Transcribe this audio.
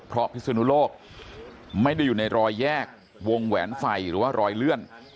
เพราะพิศนุโลกไม่ได้อยู่ในรอยแยกวงแหวนไฟหรือว่ารอยเลื่อน